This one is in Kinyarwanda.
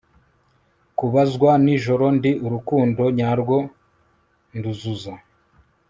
Kubazwa nijoro Ndi Urukundo nyarwo nduzuza